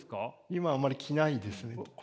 今はあんまり着ないですね。